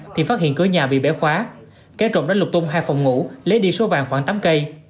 thì phát hiện cửa nhà bị bẻ khóa kẻ trộm đã lục tung hai phòng ngủ lấy đi số vàng khoảng tám cây